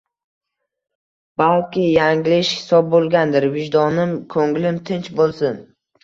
balki yanglish hisob bo'lgandir, vijdonim, ko'nglim tinch bo'lsin